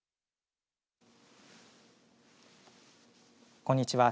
こんにちは。